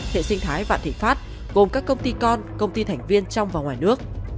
hệ sinh thái vạn thịnh pháp gồm các công ty con công ty thành viên trong và ngoài nước